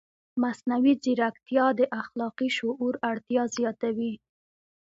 مصنوعي ځیرکتیا د اخلاقي شعور اړتیا زیاتوي.